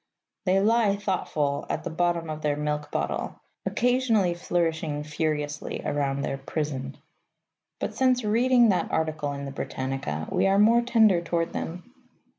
They lie, thoughtful, at the bottom of their milk bottle, occasionally flourishing furiously round their prison. But, since reading that article in the Britannica, we are more tender toward them.